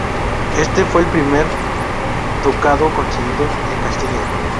Este fue el primer ducado concedido en Castilla.